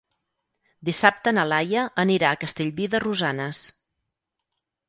Dissabte na Laia anirà a Castellví de Rosanes.